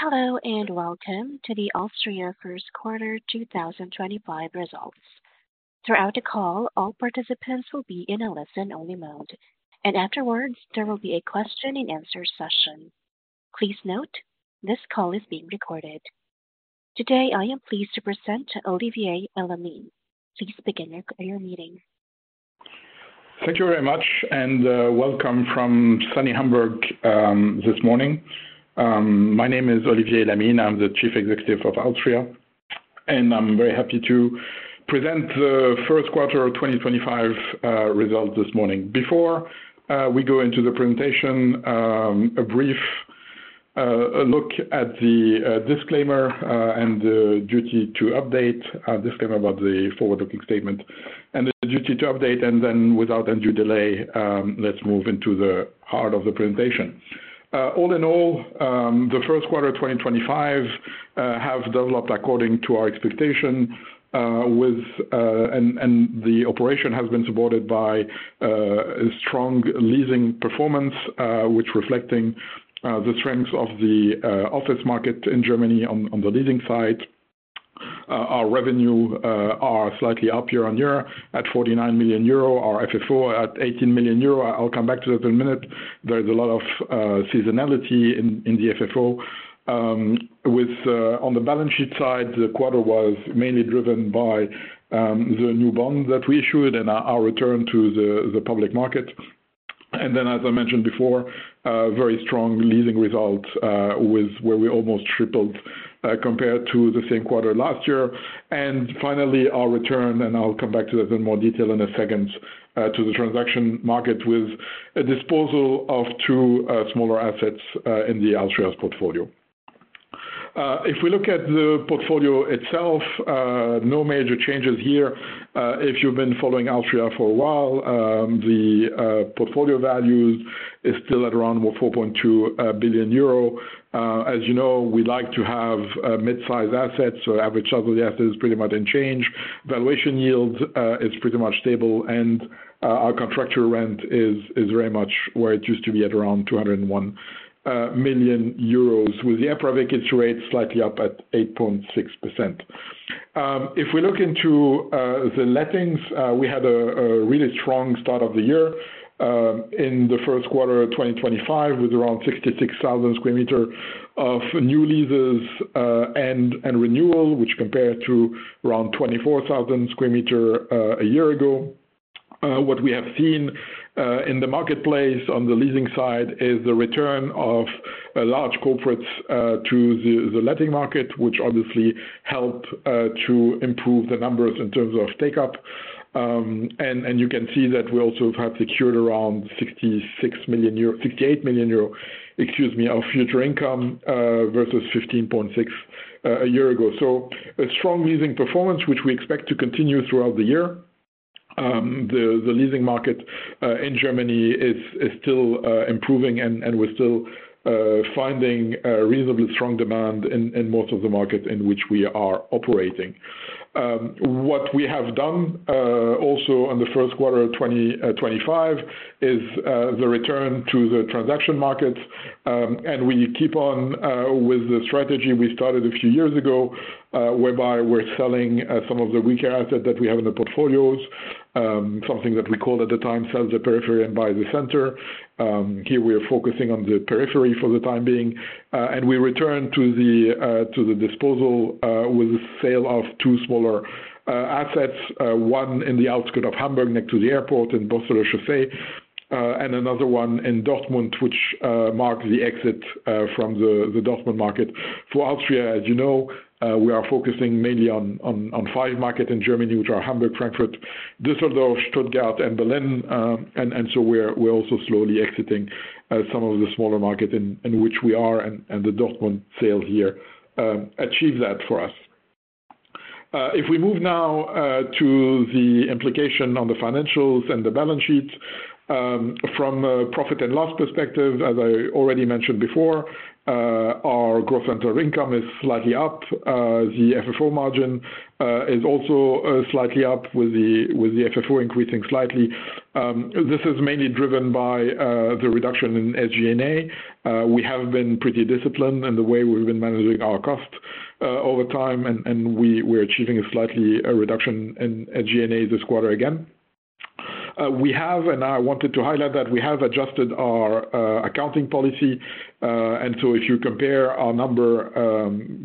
Hello and welcome to the alstria First Quarter 2025 Results. Throughout the call, all participants will be in a listen-only mode, and afterwards, there will be a question-and-answer session. Please note, this call is being recorded. Today, I am pleased to present Olivier Elamine. Please begin your meeting. Thank you very much, and welcome from sunny Hamburg this morning. My name is Olivier Elamine, I'm the Chief Executive of alstria, and I'm very happy to present the first quarter 2025 results this morning. Before we go into the presentation, a brief look at the disclaimer and the duty to update, a disclaimer about the forward-looking statement, and the duty to update. Without undue delay, let's move into the heart of the presentation. All in all, the first quarter 2025 has developed according to our expectation, and the operation has been supported by strong leasing performance, which reflects the strengths of the office market in Germany on the leasing side. Our revenues are slightly up year on year at 49 million euro, our FFO at 18 million euro. I'll come back to that in a minute. There is a lot of seasonality in the FFO. On the balance sheet side, the quarter was mainly driven by the new bonds that we issued and our return to the public market. As I mentioned before, very strong leasing results, where we almost tripled compared to the same quarter last year. Finally, our return, and I'll come back to that in more detail in a second, to the transaction market with a disposal of two smaller assets in alstria's portfolio. If we look at the portfolio itself, no major changes here. If you've been following alstria for a while, the portfolio value is still at around 4.2 billion euro. As you know, we like to have mid-size assets, so average size of the asset is pretty much unchanged. Valuation yield is pretty much stable, and our contractual rent is very much where it used to be, at around 201 million euros, with the approved vacancy rate slightly up at 8.6%. If we look into the lettings, we had a really strong start of the year in the first quarter 2025, with around 66,000 sq m of new leases and renewal, which compared to around 24,000 sq m a year ago. What we have seen in the marketplace on the leasing side is the return of large corporates to the letting market, which obviously helped to improve the numbers in terms of take-up. You can see that we also have secured around 68 million euro, excuse me, of future income versus 15.6 million a year ago. A strong leasing performance, which we expect to continue throughout the year. The leasing market in Germany is still improving, and we're still finding reasonably strong demand in most of the markets in which we are operating. What we have done also in the first quarter 2025 is the return to the transaction markets, and we keep on with the strategy we started a few years ago, whereby we're selling some of the weaker assets that we have in the portfolios, something that we called at the time "sell the periphery and buy the center." Here, we are focusing on the periphery for the time being, and we returned to the disposal with the sale of two smaller assets: one in the outskirt of Hamburg, next to the airport in Borsseler Chaussee, and another one in Dortmund, which marks the exit from the Dortmund market. For alstria, as you know, we are focusing mainly on five markets in Germany, which are Hamburg, Frankfurt, Düsseldorf, Stuttgart, and Berlin. We are also slowly exiting some of the smaller markets in which we are, and the Dortmund sale here achieved that for us. If we move now to the implication on the financials and the balance sheets, from a profit and loss perspective, as I already mentioned before, our gross center income is slightly up. The FFO margin is also slightly up, with the FFO increasing slightly. This is mainly driven by the reduction in SG&A. We have been pretty disciplined in the way we've been managing our costs over time, and we're achieving a slight reduction in SG&A this quarter again. We have, and I wanted to highlight that we have adjusted our accounting policy. If you compare our number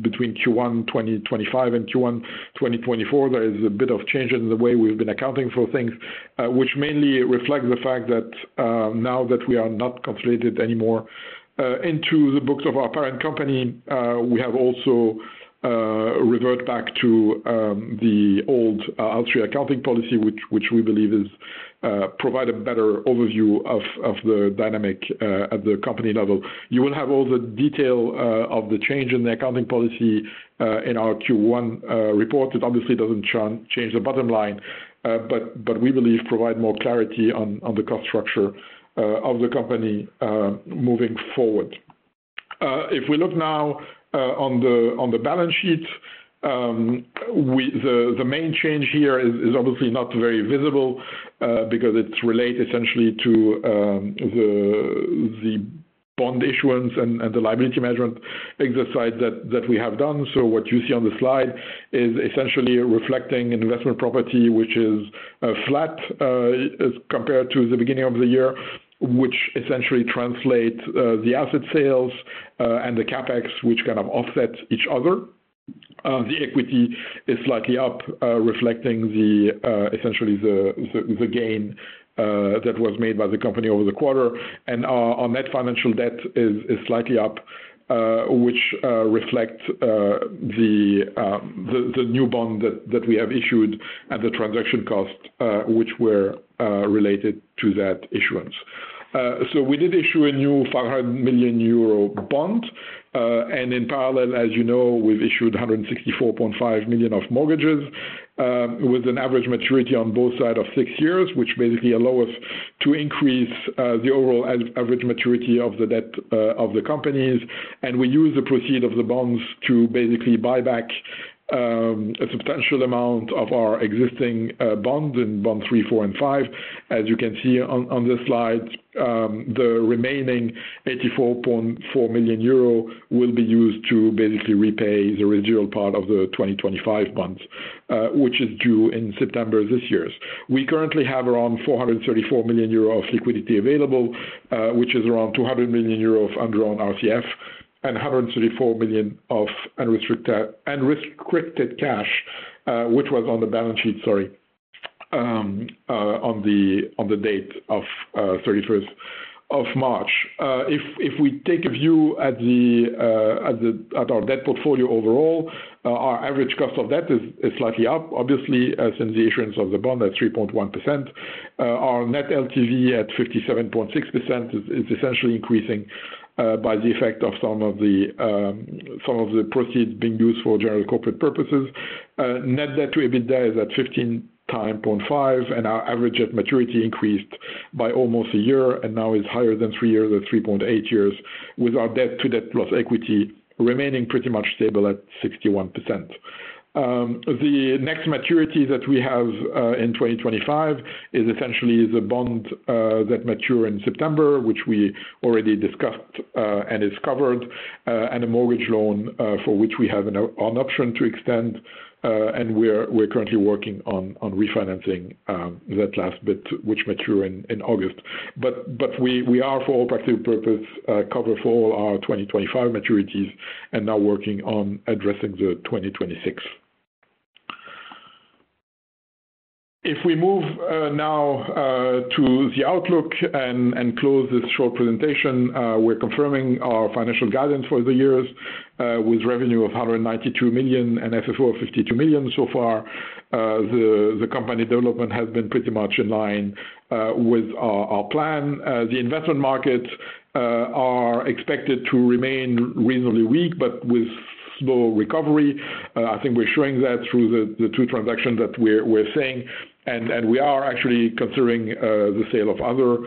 between Q1 2025 and Q1 2024, there is a bit of change in the way we've been accounting for things, which mainly reflects the fact that now that we are not consolidated anymore into the books of our parent company, we have also reverted back to the old alstria accounting policy, which we believe provides a better overview of the dynamic at the company level. You will have all the detail of the change in the accounting policy in our Q1 report. It obviously doesn't change the bottom line, but we believe it provides more clarity on the cost structure of the company moving forward. If we look now on the balance sheet, the main change here is obviously not very visible because it's related essentially to the bond issuance and the liability management exercise that we have done. What you see on the slide is essentially reflecting investment property, which is flat compared to the beginning of the year, which essentially translates the asset sales and the Capex, which kind of offset each other. The equity is slightly up, reflecting essentially the gain that was made by the company over the quarter. Our net financial debt is slightly up, which reflects the new bond that we have issued and the transaction cost, which were related to that issuance. We did issue a new 500 million euro bond, and in parallel, as you know, we have issued 164.5 million of mortgages with an average maturity on both sides of six years, which basically allows us to increase the overall average maturity of the debt of the companies. We use the proceeds of the bonds to basically buy back a substantial amount of our existing bonds in bond three, four, and five. As you can see on this slide, the remaining 84.4 million euro will be used to basically repay the residual part of the 2025 bonds, which is due in September this year. We currently have around 434 million euro of liquidity available, which is around 200 million euro of underwritten RCF and 134 million of unrestricted cash, which was on the balance sheet, sorry, on the date of 31st of March. If we take a view at our debt portfolio overall, our average cost of debt is slightly up, obviously, since the issuance of the bond at 3.1%. Our net LTV at 57.6% is essentially increasing by the effect of some of the proceeds being used for general corporate purposes. Net debt to EBITDA is at 15.5%, and our average debt maturity increased by almost a year and now is higher than three years at 3.8 years, with our debt to debt plus equity remaining pretty much stable at 61%. The next maturity that we have in 2025 is essentially the bond that matures in September, which we already discussed and is covered, and a mortgage loan for which we have an option to extend. We are currently working on refinancing that last bit, which matures in August. We are, for all practical purposes, covered for all our 2025 maturities and now working on addressing the 2026. If we move now to the outlook and close this short presentation, we are confirming our financial guidance for the years with revenue of 192 million and FFO of 52 million so far. The company development has been pretty much in line with our plan. The investment markets are expected to remain reasonably weak, but with slow recovery. I think we're showing that through the two transactions that we're seeing. We are actually considering the sale of other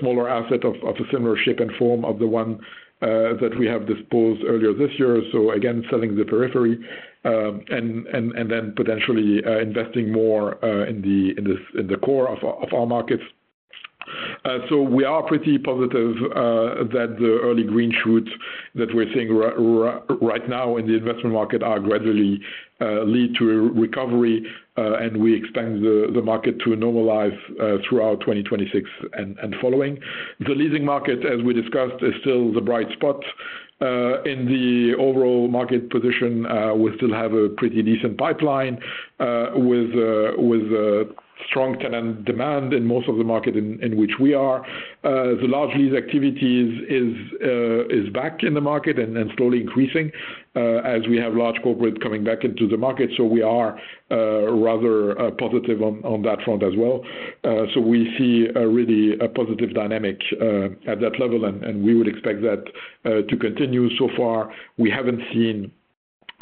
smaller assets of a similar shape and form of the one that we have disposed of earlier this year. Again, selling the periphery and then potentially investing more in the core of our markets. We are pretty positive that the early green shoots that we're seeing right now in the investment market are gradually leading to recovery, and we expect the market to normalize throughout 2026 and following. The leasing market, as we discussed, is still the bright spot in the overall market position. We still have a pretty decent pipeline with strong tenant demand in most of the market in which we are. The large lease activity is back in the market and slowly increasing as we have large corporates coming back into the market. We are rather positive on that front as well. We see a really positive dynamic at that level, and we would expect that to continue. So far, we have not seen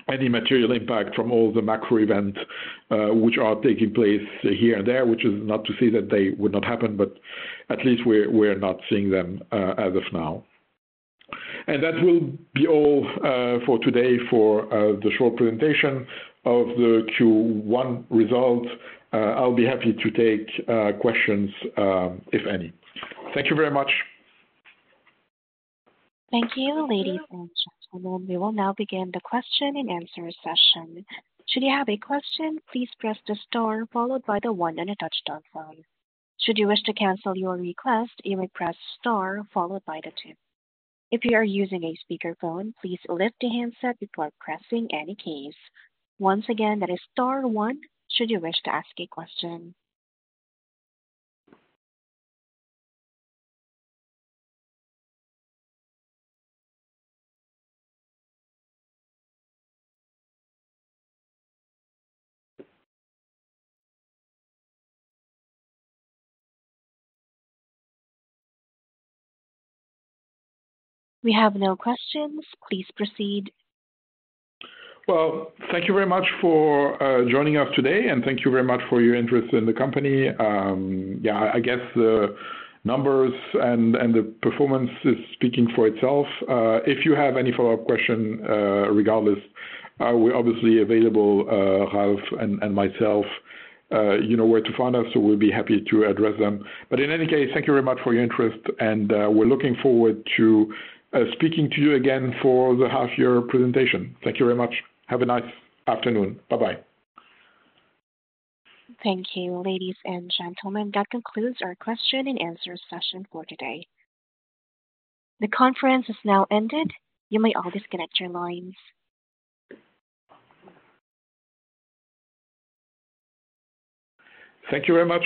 any material impact from all the macro events which are taking place here and there, which is not to say that they would not happen, but at least we are not seeing them as of now. That will be all for today for the short presentation of the Q1 results. I will be happy to take questions if any. Thank you very much. Thank you, ladies and gentlemen. We will now begin the question and answer session. Should you have a question, please press the star followed by the one on a touch-tone phone. Should you wish to cancel your request, you may press star followed by the two. If you are using a speakerphone, please lift the handset before pressing any keys. Once again, that is star one should you wish to ask a question. We have no questions. Please proceed. Thank you very much for joining us today, and thank you very much for your interest in the company. Yeah, I guess the numbers and the performance are speaking for themselves. If you have any follow-up questions, regardless, we are obviously available, Ralph and myself. You know where to find us, so we will be happy to address them. In any case, thank you very much for your interest, and we are looking forward to speaking to you again for the half-year presentation. Thank you very much. Have a nice afternoon. Bye-bye. Thank you, ladies and gentlemen. That concludes our question and answer session for today. The conference has now ended. You may all disconnect your lines. Thank you very much.